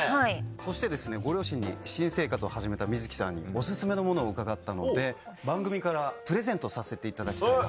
そしてご両親に新生活を始めた美月さんにお薦めのものを伺ったので番組からプレゼントさせていただきたいなと。